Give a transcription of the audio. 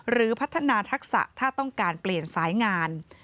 หรือพัฒนาทักษะถ้าต้องการเปลี่ยนสายงาน